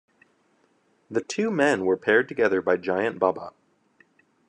The two men were paired together by Giant Baba.